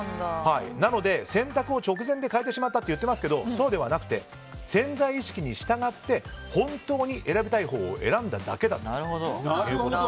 なので、選択を直前で変えてしまったと言ってますけどそうではなくて潜在意識に従って本当に選びたいほうを選んだだけだというふうに。